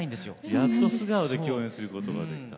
やっと素顔で共演することができた。